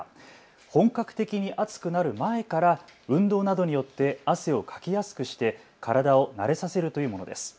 本格的に暑くなる前から運動などによって汗をかきやすくして、体を慣れさせるというものです。